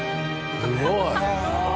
すごい。